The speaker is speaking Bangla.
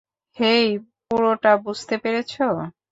হেই, পুরোটা বুঝতে পেরেছ?